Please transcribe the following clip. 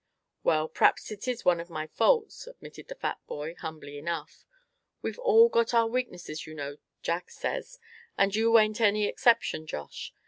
"Well, p'raps it is one of my faults," admitted the fat boy, humbly enough; "we've all got our weaknesses, you know, Jack says, and you ain't any exception, Josh.